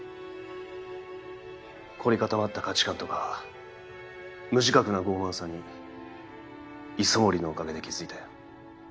凝り固まった価値観とか無自覚な傲慢さに磯森のおかげで気付いたよ。